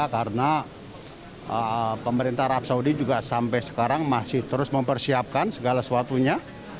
karena pemerintah arab saudi juga sampai sekarang masih terus mempersiapkan segala sesuatunya